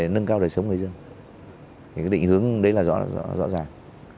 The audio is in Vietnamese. phát triển cho rõ ràng